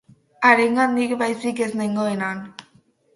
Harengandik baizik ez nengoen han.